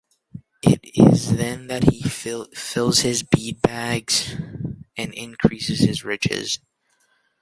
It is then that he fills his bead bags and increases his riches.